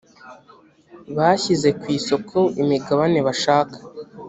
bashyize ku isoko imigabane bashaka